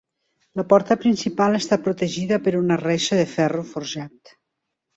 La porta principal està protegida per una reixa de ferro forjat.